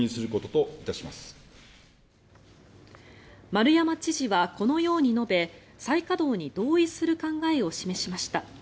丸山知事はこのように述べ再稼働に同意する考えを示しました。